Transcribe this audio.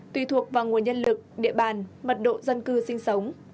tùy thuộc vào nguồn nhân lực địa bàn mật độ dân cư sinh sống